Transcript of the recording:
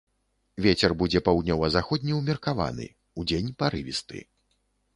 Вецер будзе паўднёва-заходні ўмеркаваны, удзень парывісты.